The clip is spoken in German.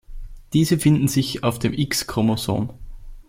Diese finden sich auf dem X-Chromosom.